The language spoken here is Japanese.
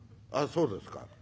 「あっそうですか。